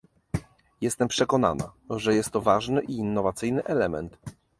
Jestem przekonana, że jest to ważny i innowacyjny element